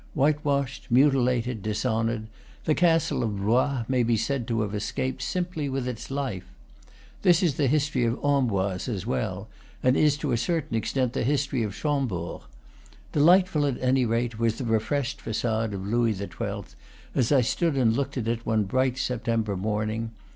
Whitewashed, mutilated, dishonored, the castle of Blois may be said to have escaped simply with its life. This is the history of Amboise as well, and is to a certain extent the history of Chambord. Delightful, at any rate, was the refreshed facade of Louis XII. as I stood and looked at it one bright September morning.